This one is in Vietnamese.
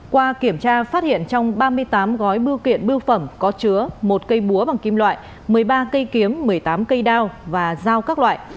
qua kiểm tra phát hiện trong ba mươi tám gói bưu kiện bưu phẩm có chứa một cây búa bằng kim loại một mươi ba cây kiếm một mươi tám cây đao và dao các loại